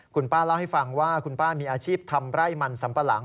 คุณป้าเล่าให้ฟังว่าคุณป้ามีอาชีพทำไร่มันสัมปะหลัง